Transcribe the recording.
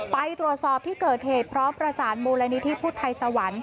ไปตรวจสอบที่เกิดเหตุเพราะประสานบูรณีที่พุทธไทยสวรรค์